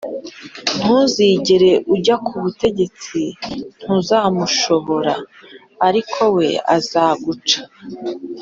ntuzigera ujya ku butegetsi, ntuzamushobora ariko we azaguscya.